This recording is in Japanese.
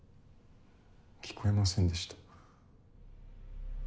聞こえませんでした。